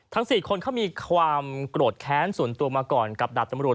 ๔คนเขามีความโกรธแค้นส่วนตัวมาก่อนกับดาบตำรวจ